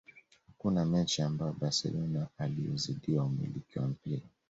hakuna mechi ambayo barcelona aliyozidiwa umiliki wa mpira